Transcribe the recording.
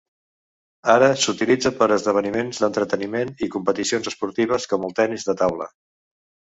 Ara s'utilitza per a esdeveniments d'entreteniment i competicions esportives, com el tennis de taula.